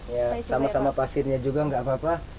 ya sama sama pasirnya juga nggak apa apa